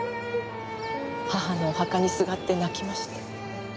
母のお墓にすがって泣きました。